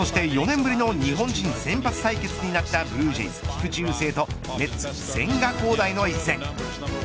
そして、４年ぶりの日本人先発対決になったブルージェイズ菊池雄星とメッツ千賀滉大の一戦。